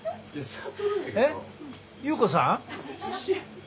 えっ優子さん？